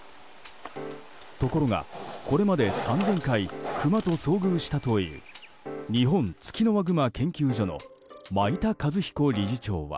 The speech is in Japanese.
ところが、これまで３０００回クマと遭遇したという日本ツキノワグマ研究所の米田一彦理事長は。